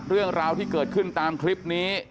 เรื่องราวที่เกิดขึ้นตามคลิปนี้